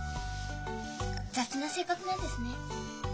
雑な性格なんですね。